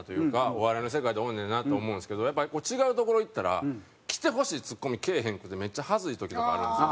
お笑いの世界で多いねんなと思うんですけどやっぱり違うところ行ったらきてほしいツッコミけえへんくてめっちゃ恥ずい時とかあるんですよ。